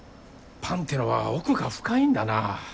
パンってのは奥が深いんだな。